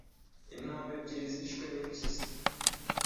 Intama ebyiri zishwe nimpyisi.